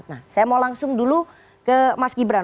nah saya mau langsung dulu ke mas gibran